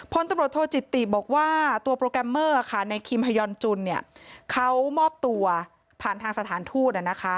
โพลธุโมโทจิติบอกว่าตัวโปรแกรมเมอร์ค่ะในครีมหย่อนจุนเนี่ยเขามอบตัวผ่านทางสถานทูตค่ะนะคะ